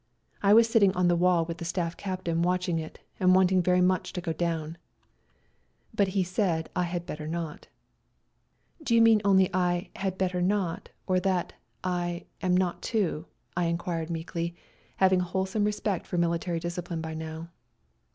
I was sitting on the wall with the Staff Captain watching it and wanted very much to go down, but he said I had better GOOD BYE TO SERBIA 117 not. " Do you mean only I ' had better not,' or that I ' am not to '?" I enquired meekly, having a wholesome respect for military discipline by now.